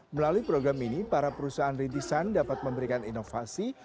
melalui program ini para perusahaan rintisan dapat memberikan inovasi